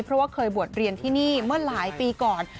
เพราะว่าเคยบวชเรียนที่นี่เมื่อหลายปีก่อน